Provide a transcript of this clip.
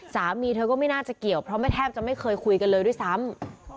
สามีเธอก็ไม่น่าจะเกี่ยวเพราะไม่แทบจะไม่เคยคุยกันเลยด้วยซ้ำ